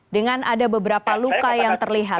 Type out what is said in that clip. dengan ada beberapa luka yang terlihat